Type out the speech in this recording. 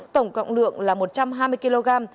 tổng cộng lượng là một trăm hai mươi kg